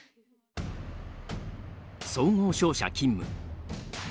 総合商社勤務。